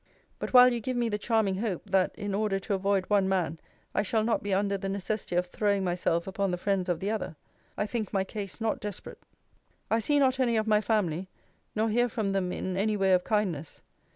But while you give me the charming hope, that, in order to avoid one man, I shall not be under the necessity of throwing myself upon the friends of the other; I think my case not desperate. I see not any of my family, nor hear from them in any way of kindness.